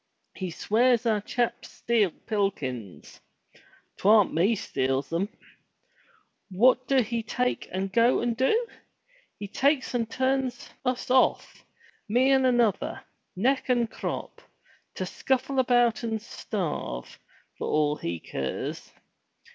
He swears our chaps steal pilkins. 'Twam't me steals 'em. What do he take and go and do? He takes and turns us off, me and another, neck and crop, to scuffle about and starve, for all he keers.